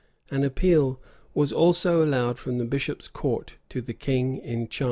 [] An appeal was also allowed from the bishop's court to the king in chancery.